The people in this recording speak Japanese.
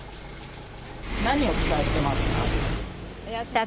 何を期待してますか？